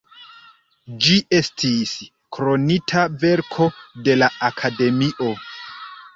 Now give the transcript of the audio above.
Ĝi estis "Kronita verko de la Akademio".